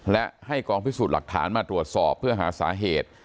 และให้กองพิสูจน์หลักฐานมาตรวจสอบเพื่อหาสาเหตุ